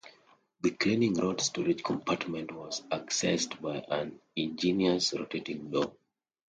The cleaning rod storage compartment was accessed via an ingenious rotating door.